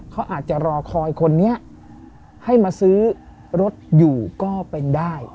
เขาอาจจะรอคอยคนนี้ให้มาซื้อรถอยู่ก็เป็นได้